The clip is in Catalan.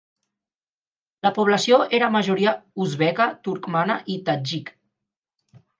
La població era en majoria uzbeka, turcmana i tadjik.